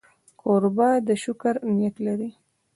کوربه د شکر نیت لري.